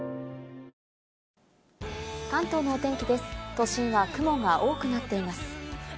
都心は雲が多くなっています。